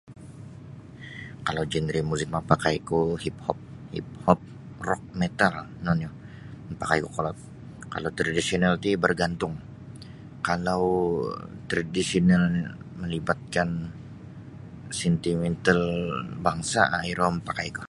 Kalau genre muzik mapakai ku hip-hop hip-hop rock metal ino nio mapakai ku kolod kalau tradisional ti bargantung kalau tradisional melibatkan sentimental bangsa um iro mapakai ku.